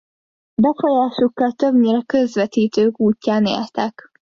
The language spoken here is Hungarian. Befolyásukkal többnyire közvetítők útján éltek.